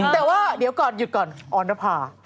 แต่ว่าเดี๋ยวก่อนหยุดก่อนออนภา